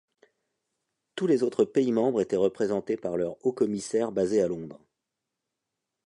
Tous les autres pays membres étaient représentés par leurs hauts-commissaires basés à Londres.